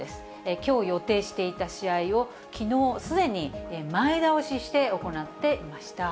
きょう予定していた試合をきのうすでに前倒しして行っていました。